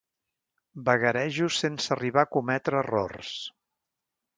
Vagarejo sense arribar a cometre errors.